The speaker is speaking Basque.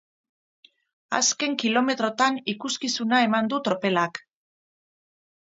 Azken kilometroetan ikuskizuna eman du tropelak.